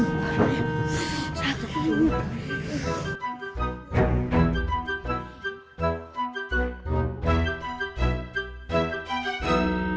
satu dua tiga